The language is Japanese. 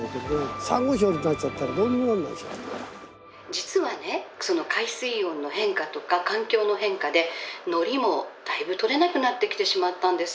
実はねその海水温の変化とか環境の変化で海苔もだいぶ取れなくなってきてしまったんです。